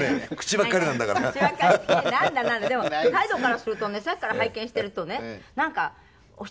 でも態度からするとねさっきから拝見しているとねなんかお一人だけなんか。